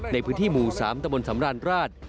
ในพื้นที่หมู่๓ตะบนสำราญราช